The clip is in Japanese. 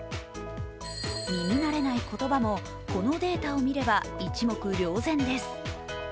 耳慣れない言葉も、このデータを見れば一目瞭然です。